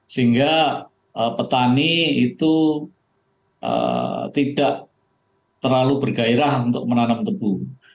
sehingga petani itu tidak terlalu bergairah untuk menanam tebu